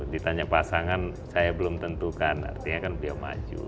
ditanya pasangan saya belum tentukan artinya kan beliau maju